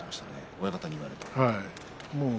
親方に言われて。